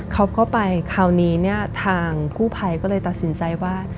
เขาก็ไปคราวนี้เนี่ยทางกู้ภัยก็เลยตัดสินใจว่า